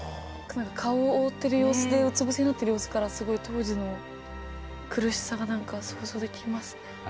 顔を覆ってる様子でうつ伏せになってる様子からすごい当時の苦しさが何か想像できますね。